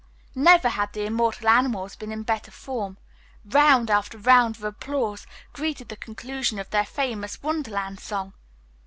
Never had the immortal animals been in better form. Round after round of applause greeted the conclusion of their famous Wonderland song.